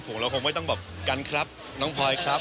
ผมเราคงไม่ต้องแบบกันครับน้องพลอยครับ